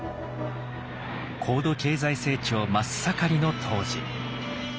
高度経済成長真っ盛りの当時。